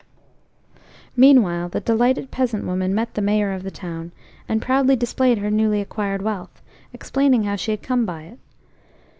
Meanwhile, the delighted peasant woman met the Mayor of the town, and proudly displayed her newly acquired wealth, explaining how she had come by it.